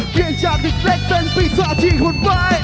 เปลี่ยนจากเด็กเป็นปีศาจที่หัวไป